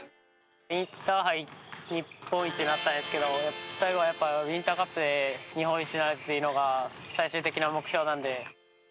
インターハイで日本一になったんですけど最後はウインターカップで日本一になるのが最終的な目標なんで。